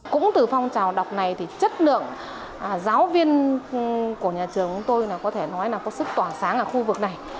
cũng từ phong trào đọc này thì chất lượng giáo viên của nhà trường của tôi là có thể nói là có sức tỏa sáng ở khu vực này